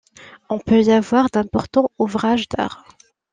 On peut y voir d'importants ouvrages d'art.